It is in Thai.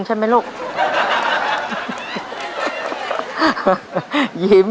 เย็นมากลุ่ม